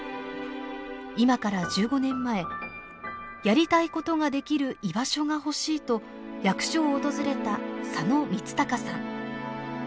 今から１５年前やりたいことができる居場所が欲しいと役所を訪れた佐野光孝さん。